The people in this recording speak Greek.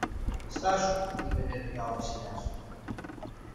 Στάσου, είπε νευρικά ο Βασιλιάς